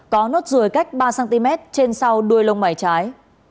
có nốt rùi cách ba cm trên sau đuôi lông mải trái